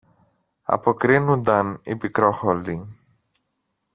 αποκρίνουνταν η Πικρόχολη.